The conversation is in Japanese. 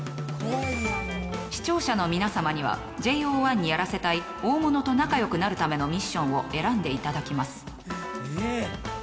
視聴者の皆さまにはＪＯ１にやらせたい大物と仲良くなるためのミッションを選んでいただきます。